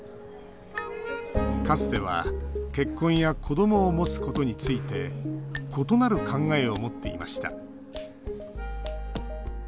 かつては、結婚や子どもを持つことについて異なる考えを持っていました。